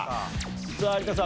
さあ有田さん